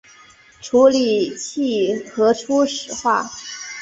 处理器核初始化